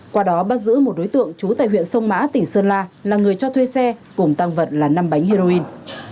qua đó bắt giữ một đối tượng trú tại huyện sông mã tỉnh sơn la là người cho thuê xe cùng tăng vật là năm bánh heroin